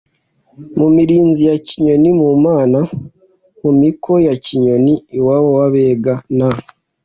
mu mirinzi ya kinyoni: mu mana (mu miko) ya kinyoni (iwabo w’abega na